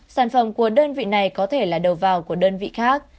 sản phẩm của đơn vị này có thể là đầu vào của đơn vị khác